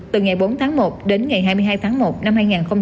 từ ngày bốn tháng một đến ngày hai mươi hai tháng một năm hai nghìn hai mươi